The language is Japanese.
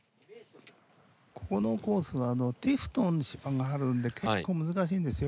ここのコースはティフトンの芝があるんで結構難しいんですよ